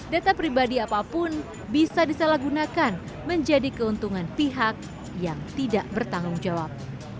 data pribadi apapun bisa disalahgunakan menjadi keuntungan pihak yang tidak bertanggung jawab